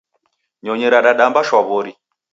Nyonyi radadamba shwa wori.